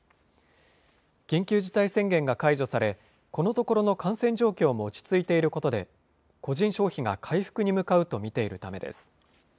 緊急事態宣言が解除され、このところの感染状況も落ち着いていることで、個人消費が回復に向かうと見ているためです。